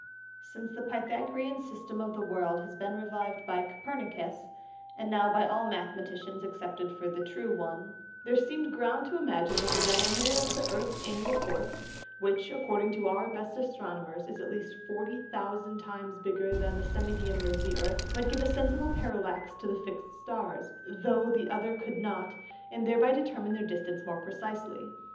Since the Pythagorean System of the World has been reviv'd by Copernicus, (and now by all Mathematicians accepted for the true one) there seem'd Ground to imagine that the Diameter of the Earth's Annual Course (which, according to our best Astronomers, is at least 40000 times bigger than the Semi diameter of the Earth) might give a sensible Parallax to the fix'd Stars, though the other could not, and thereby determine their Distance more precisely.